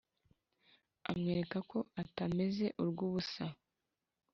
amwereka ko atameze urw’ubusa